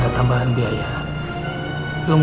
saya permisi dulu mas